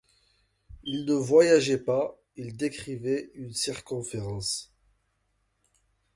Il ne voyageait pas, il décrivait une circonférence.